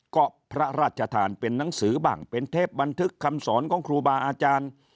ก็พระราชทานเป็นหนังสือบ้างเป็นเทปบันทึกคำสอนของครูบาอาจารย์